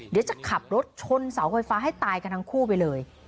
เดี๋ยวจะขับรถชนเสาไฟฟ้าให้ตายกันทั้งคู่ไปเลย